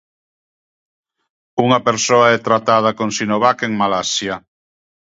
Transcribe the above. Unha persoa é tratada con Sinovac en Malasia.